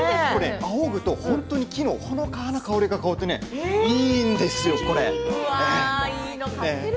あおぐと木のほのかな香りが香っていいんですよ、これ。